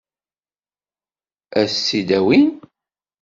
Ad s-tt-id-awin?